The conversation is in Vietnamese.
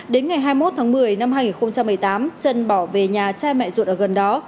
đến ngày hai mươi một tháng một mươi năm hai nghìn một mươi tám trần bỏ về nhà cha mẹ ruột ở gần đó